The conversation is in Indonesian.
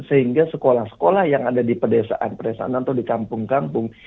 sehingga sekolah sekolah yang ada di pedesaan pedesaan atau di kampung kampung